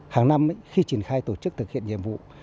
hàng năm khi triển khai tổ chức thực hiện nhiệm vụ